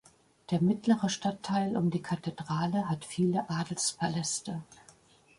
Der mittlere Stadtteil um die Kathedrale hat viele Adelspaläste.